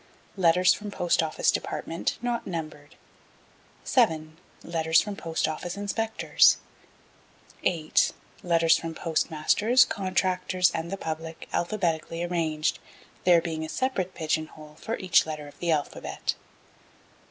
Letters from Post Office Department not numbered. 7. do. Post Office Inspectors. 8. do. Postmasters, Contractors and the Public alphabetically arranged, there being a separate pigeon hole for each letter of the alphabet.